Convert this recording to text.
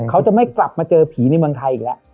เขาจะไม่กลับมาเจอผีในเมืองไทยอีกแล้ว